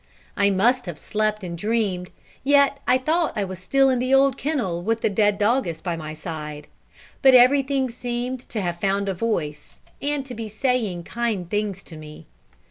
I must have slept and dreamed yet I thought I was still in the old kennel with the dead doggess by my side. But everything seemed to have found a voice, and to be saying kind things to me.